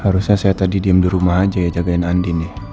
harusnya saya tadi diem di rumah aja ya jagain andin ya